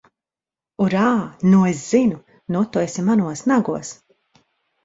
Urā! Nu es zinu! Nu tu esi manos nagos!